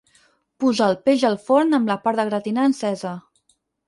Posar el peix al forn amb la part de gratinar encesa.